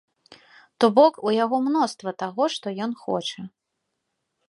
То бок, у яго мноства таго, што ён хоча.